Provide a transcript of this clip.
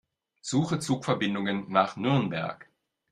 Suche Zugverbindungen nach Nürnberg.